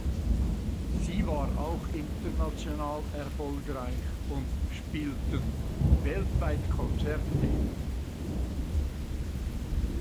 Sie war auch international erfolgreich und spielten weltweit Konzerte.